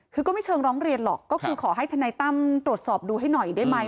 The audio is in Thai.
คือก็ไม่เชิงร้องเรียนหรอกก็คือขอให้ทนายตั้มตรวจสอบดูให้หน่อยได้ไหม